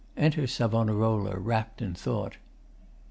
[Enter SAVONAROLA, rapt in thought.